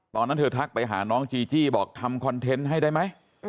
ตอนนั้นเธอทักไปหาน้องจีจี้บอกทำคอนเทนต์ให้ได้ไหม